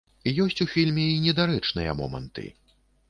Ёсць у фільме і недарэчныя моманты.